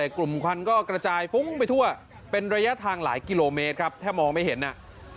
กลุ่มควันก็กระจายฟุ้งไปทั่วเป็นระยะทางหลายกิโลเมตรครับถ้ามองไม่เห็นน่ะ